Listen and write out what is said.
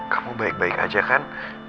kamu baik baik aja kan